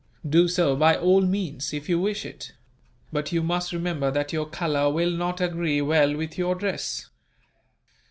"Do so by all means, if you wish it; but you must remember that your colour will not agree well with your dress."